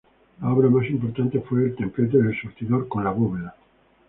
La obra más importante fue el templete del surtidor con la bóveda.